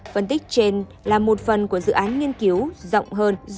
phân tích trên là một phần của dự án nghiên cứu rộng hơn